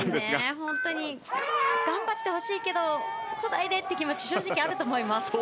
本当に頑張ってほしいけどこないで！という気持ちも正直あると思います。